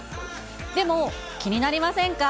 でも、気になりませんか？